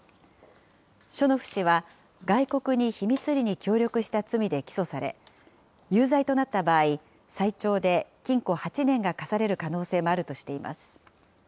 ショノフ氏は、外国に秘密裏に協力した罪で起訴され、有罪となった場合、最長で禁錮８年が科される可能性があるとしています。